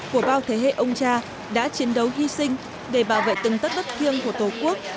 của bao thế hệ ông cha đã chiến đấu hy sinh để bảo vệ từng tất đất thiêng của tổ quốc